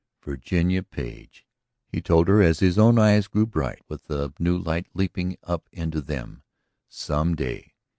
"Virginia Page," he told her as his own eyes grew bright with the new light leaping up into them, "some day